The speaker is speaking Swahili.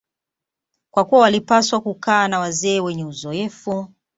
kwa kuwa walipaswa kukaa na wazee wenye uzoefu